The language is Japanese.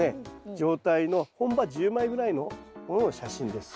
状態の本葉１０枚ぐらいのものの写真です。